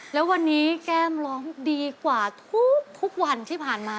แล้ววันนี้แก้มร้องดีกว่าทุกวันที่ผ่านมา